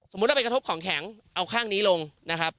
เราไปกระทบของแข็งเอาข้างนี้ลงนะครับ